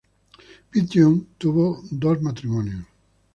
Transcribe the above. Pidgeon tuvo dos matrimonios.